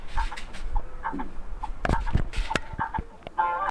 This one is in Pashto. تا خوړلي نن د ښکلي خوست ښکلي ګور ګوري دي,